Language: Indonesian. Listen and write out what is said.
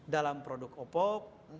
dalam produk opop